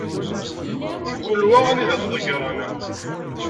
Mkul wa anida i t-ḍegren.